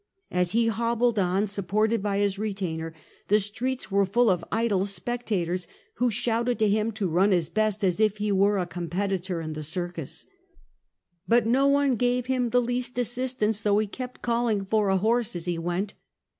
As he hobbled on, supported by Ms retainer, the streets were full of idle spectators, who shouted to him to run his best, as if he were a competitor in the circus. But no one gave him the least assistance, though he kept calling for a horse as he went.